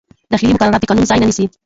داخلي مقررات د قانون ځای نه نیسي.